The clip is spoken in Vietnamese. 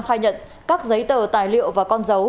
khai nhận các giấy tờ tài liệu và con dấu